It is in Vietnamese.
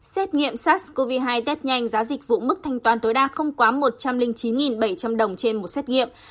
xét nghiệm sars cov hai test nhanh giá dịch vụ mức thanh toán tối đa không quá một trăm linh chín bảy trăm linh đồng trên một xét nghiệm